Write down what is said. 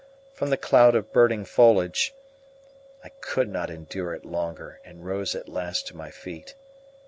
from the cloud of burning foliage. I could not endure it longer, and rose at last to my feet.